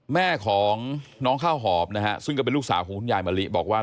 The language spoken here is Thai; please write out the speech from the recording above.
แม่ของน้องข้าวหอมนะฮะซึ่งก็เป็นลูกสาวของคุณยายมะลิบอกว่า